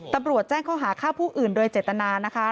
ตำรวจแจ้งข้อหาฆ่าผู้อื่นโดยเจตนานะคะ